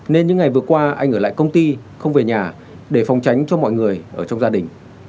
nên những ngày vừa qua anh ở lại công ty không về nhà để phòng tránh cho mọi người ở trong gia đình